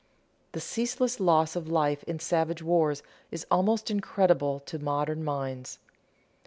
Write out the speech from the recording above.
The ceaseless loss of life in savage wars is almost incredible to modern minds.